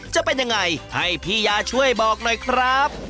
จะเป็นยังไงให้พี่ยาช่วยบอกหน่อยครับ